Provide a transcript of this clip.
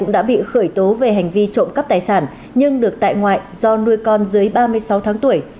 đã bị khởi tố về hành vi trộm cắp tài sản nhưng được tại ngoại do nuôi con dưới ba mươi sáu tháng tuổi